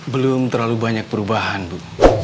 belum terlalu banyak perubahan bu